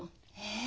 え？